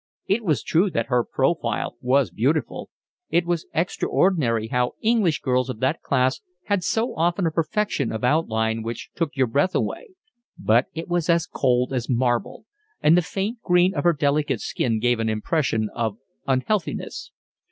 It was true that her profile was beautiful; it was extraordinary how English girls of that class had so often a perfection of outline which took your breath away, but it was as cold as marble; and the faint green of her delicate skin gave an impression of unhealthiness.